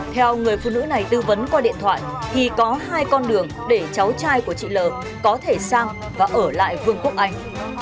theo người phụ nữ này tư vấn qua điện thoại thì có hai con đường để cháu trai của chị l có thể sang và ở lại vương quốc anh